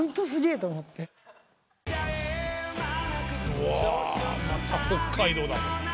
うわまた北海道だ。